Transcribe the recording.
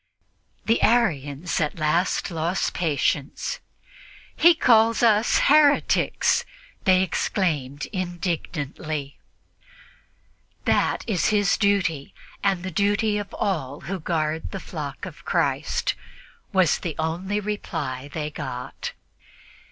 The Arians at last lost patience. "He calls us heretics!" they exclaimed indignantly. "That is his duty and the duty of all those who guard the flock of Christ" was the only reply they got.